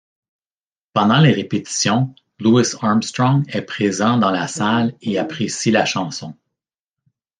Pendant les répétitions, Louis Armstrong est présent dans la salle et apprécie la chanson.